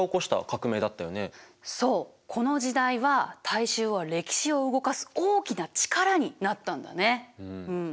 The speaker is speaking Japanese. そうこの時代は大衆は歴史を動かす大きな力になったんだね。